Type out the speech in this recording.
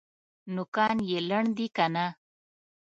نوکان یې لنډ دي که نه؟